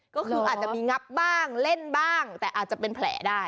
ก็คืออาจจะมีงับบ้างเล่นบ้างแต่อาจจะเป็นแผลได้